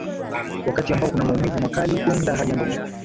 wakati ambao kuna maumivu makali kwenda haja ndogo